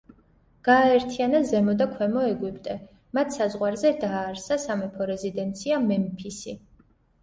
გააერთიანა ზემო და ქვემო ეგვიპტე; მათ საზღვარზე დააარსა სამეფო რეზიდენცია მემფისი.